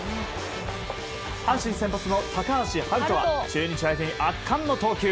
阪神先発の高橋遥人は中日相手に圧巻の投球。